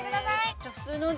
じゃあ普通ので。